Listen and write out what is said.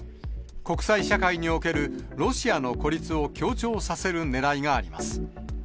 国際社会におけるロシアの孤立を強調させるねらいがあります。